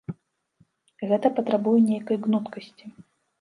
Гэта патрабуе нейкай гнуткасці.